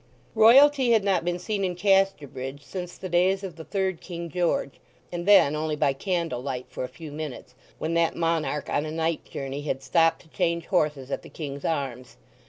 Royalty had not been seen in Casterbridge since the days of the third King George, and then only by candlelight for a few minutes, when that monarch, on a night journey, had stopped to change horses at the King's Arms.